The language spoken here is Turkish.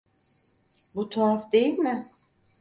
Bu tuhaf değil mi?